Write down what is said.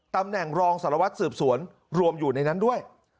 ตำแหน่งรองสารวัตรสืบสวนรวมอยู่ในนั้นด้วย